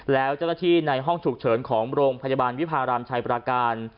แล้วเจ้าหน้าที่ในห้องฉุกเฉินของโรงพยาบาลวิพารามชายปราการ